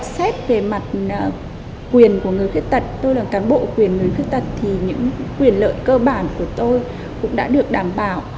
xét về mặt quyền của người khuyết tật tôi là cán bộ quyền người khuyết tật thì những quyền lợi cơ bản của tôi cũng đã được đảm bảo